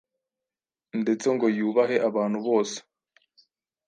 ndetse ngo yubahe abantu bose,